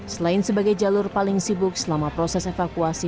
selain sebagai jalur paling sibuk selama proses evakuasi